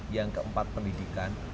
yang keempat pendidikan